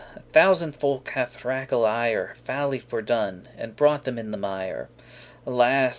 a thousand folk hath rakel ire Foully fordone, and brought them in the mire. Alas!